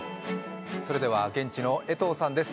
それでは現地の江藤さんです。